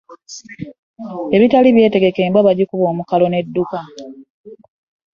Ebitali byetegeke , embwa bajikuba omukalo edduka.